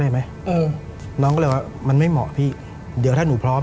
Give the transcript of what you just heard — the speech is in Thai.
มันไม่เหมาะพี่เดี๋ยวถ้าหนูพร้อม